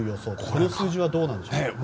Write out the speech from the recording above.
この数字はどうでしょう。